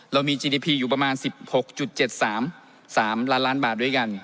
เรามีจีดีพีอยู่ประมาณ๑๖๗๓๓ล้านล้านบาทด้วยกัน